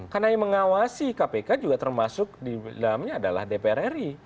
karena yang mengawasi kpk juga termasuk di dalamnya adalah dpr ri